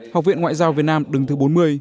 học viện ngoại giao việt nam đứng thứ bốn mươi